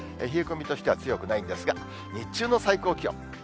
冷え込みとしては強くないんですが、日中の最高気温。